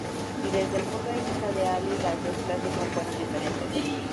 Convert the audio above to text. Y desde el punto de vista de Alí, las dos clases no fueron diferentes.